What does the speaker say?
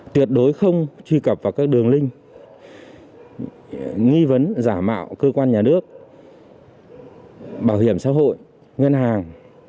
tuyệt đối không truy cập vào các đường link nghi vấn giả mạo cơ quan nhà nước bảo hiểm xã hội ngân hàng